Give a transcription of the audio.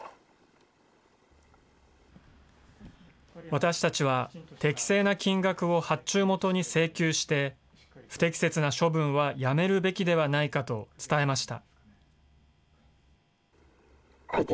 私たちは、適正な金額を発注元に請求して、不適切な処分はやめるべきではないかと伝えました。